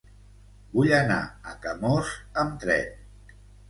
Vull anar a Camós amb tren.